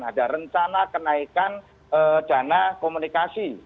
ada rencana kenaikan dana komunikasi